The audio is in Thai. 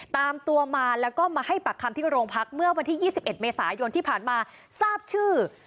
ตามตัวมาแล้วก็มาให้ปากคำที่โรงพักเมื่อวันที่๒๑เมษายนที่ผ่านมาทราบชื่อ